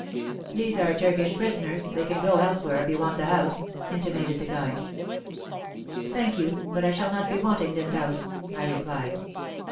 '' These are Turkish prisoners ; they can go elsewhere if you want the house," intimated the guide. "Thank you, but I shall not be wanting this house," I replied.